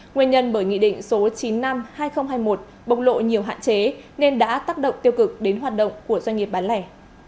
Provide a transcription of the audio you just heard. nguyên nhân bởi nghị định số chín năm hai nghìn hai mươi một bộc lộ nhiều hạn chế nên đã tác động tiêu cực đến hoạt động của doanh nghiệp bán lẻ